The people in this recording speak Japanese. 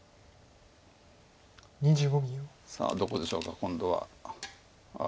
さあどこでしょうか今度は。